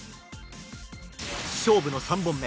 勝負の３本目